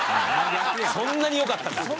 そんなに良かったか？